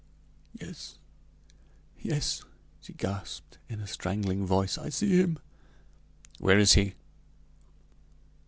"Yes yes," she gasped in a strangling voice, "I see him." "Where is he?"